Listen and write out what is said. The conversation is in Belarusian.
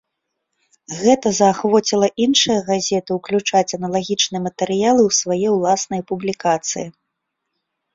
Гэта заахвоціла іншыя газеты ўключаць аналагічныя матэрыялы ў свае ўласныя публікацыі.